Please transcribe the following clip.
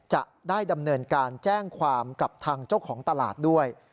จะได้ดำเนินการแจ้งความกับทางเจ้าของตลาดด้วย